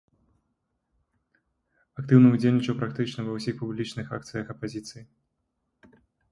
Актыўна ўдзельнічаў практычна ва ўсіх публічных акцыях апазіцыі.